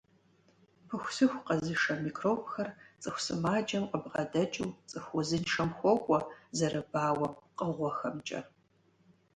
Пыхусыху къэзышэ микробхэр цӀыху сымаджэм къыбгъэдэкӀыу цӀыху узыншэм хуокӀуэ зэрыбауэ пкъыгъуэхэмкӀэ.